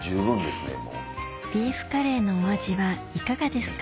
ビーフカレーのお味はいかがですか？